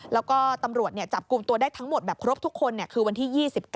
แล้วก็ตำรวจจับกลุ่มตัวได้ทั้งหมดแบบครบทุกคนคือวันที่๒๙